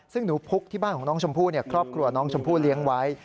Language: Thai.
ซึ่งหนูพุกที่บ้านของน้องชมพู่ครอบครัวน้องชมพู่เลี้ยงไว้